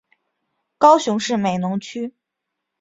高雄市美浓区